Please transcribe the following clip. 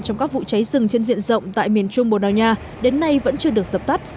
trong các vụ cháy rừng trên diện rộng tại miền trung bồ đào nha đến nay vẫn chưa được dập tắt